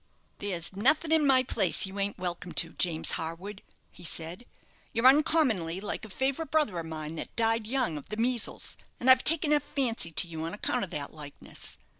"There's nothing in my place you ain't welcome to, James Harwood," he said. "You're uncommonly like a favourite brother of mine that died young of the measles; and I've taken a fancy to you on account of that likeness.